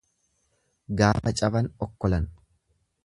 Gaafa caban okkolan.